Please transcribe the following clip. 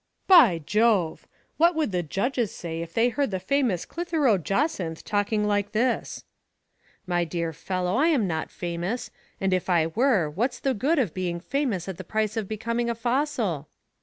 " By Jove ! what would the judges say if they heard the famous CHtheroe Jacynth talking like this?" " My dear fellow, Fm not famous, and if I were, what's the good of being famous at the price of becoming a fossil